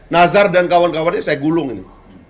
nazar dan kawan kawannya saya gulung ini